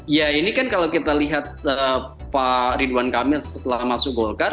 ya ini kan kalau kita lihat pak ridwan kamil setelah masuk golkar